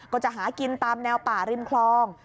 ก็จะหากินตามแนวป่าริมคลอง